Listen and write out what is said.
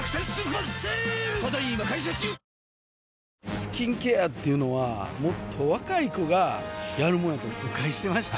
スキンケアっていうのはもっと若い子がやるもんやと誤解してました